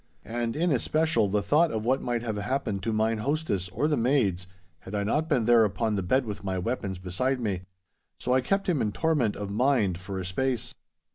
And in especial the thought of what might have happened to mine hostess or the maids, had I not been there upon the bed with my weapons beside me. So I kept him in torment of mind for a space.